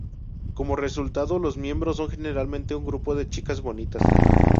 Como resultado, los miembros son generalmente un grupo de chicas bonitas.